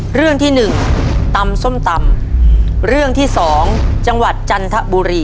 หล่านี้๑ตำส้มตำหลวงที่๒จังหวะจันต์ถะบุรี